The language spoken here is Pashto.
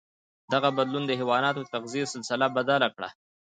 دغه بدلون د حیواناتو د تغذيې سلسله بدل کړه.